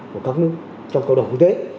của các nước trong cộng đồng quốc tế